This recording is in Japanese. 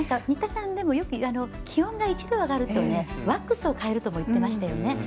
新田さんは、気温が１度上がるとワックスを変えるとも言ってましたよね。